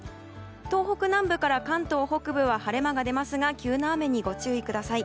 東北南部から関東北部は晴れ間が出ますが急な雨にご注意ください。